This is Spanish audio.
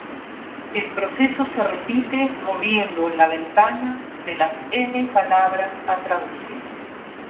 El proceso se repite moviendo la ventana de las N palabras a traducir.